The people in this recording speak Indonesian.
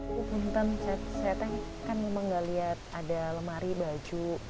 bukankah saya kan memang nggak lihat ada lemari baju